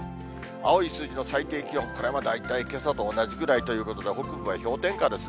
青い数字の最低気温、これも大体けさと同じぐらいということで、北部は氷点下ですね。